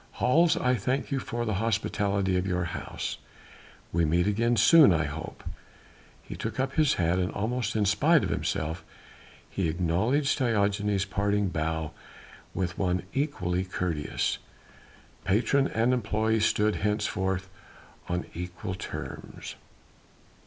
Hals, I thank you for the hospitality of your house. We meet again soon I hope." He took up his hat and almost in spite of himself he acknowledged Diogenes' parting bow with one equally courteous. Patron and employé stood henceforth on equal terms.